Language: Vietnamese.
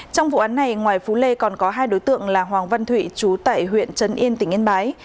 trong vụ án này ngoài phú lê còn có hai đối tượng là hoàng văn thủy chú tại huyện trấn yên tỉnh yên bái